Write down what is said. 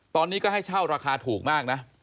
ตอนนี้ก็ให้เช่าราคาถูกมากนะ